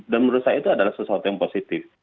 dan menurut saya itu adalah sesuatu yang positif